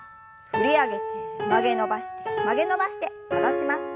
振り上げて曲げ伸ばして曲げ伸ばして戻します。